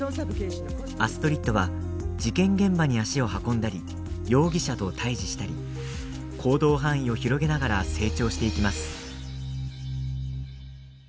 アストリッドは事件現場に足を運んだり容疑者と対じしたり行動範囲を広げながら成長していきます。